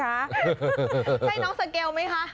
ใช่น้องสเกลไหมคะ